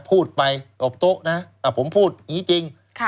พูดไปอบตู้นะคะว่าผมพูดอีกจริงค่ะ